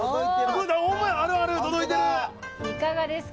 いかがですか。